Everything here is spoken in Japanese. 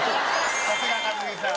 さすが一茂さん。